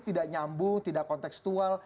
tidak nyambu tidak kontekstual